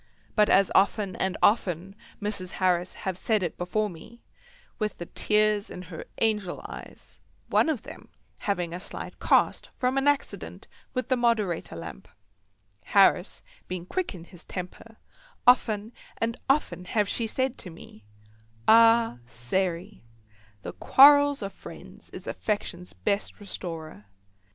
But, as often and often Mrs. Harris have said it before me, with the tears in her angel eyes—one of them having a slight cast from an accident with the moderator lamp, Harris being quick in his temper—often and often have she said to me: "Ah, Sairey, the quarrels of friends is affection's best restorer."